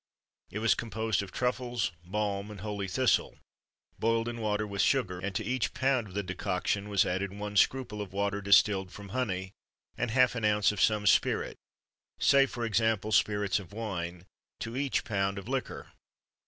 It was composed of truffles, balm, and holy thistle, boiled in water with sugar; and to each pound of the decoction was added one scruple of water distilled from honey, and half an ounce of some spirit say, for example, spirits of wine to each pound of liquor.